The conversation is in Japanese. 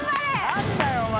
何だよお前。